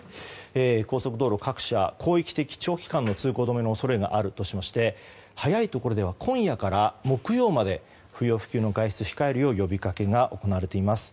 高速道路各社、広域的長期間の通行止め恐れがあるとしまして早いところでは今夜から木曜まで不要不急の外出を控えるよう呼びかけが行われています。